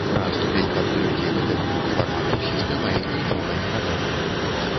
Пра ступень падтрымкі гэтых двух фарматаў сістэмай нічога не вядома.